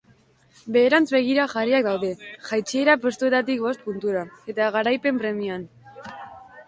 Beherantz begira jarriak daude, jaitsiera postuetatik bost puntura, eta garaipen premian.